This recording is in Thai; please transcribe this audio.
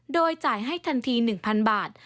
โดยจ่ายให้ทันที๑๐๐๐บาท